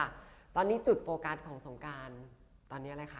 ตอนนี้จุดโฟกัสของสงการตอนนี้อะไรคะ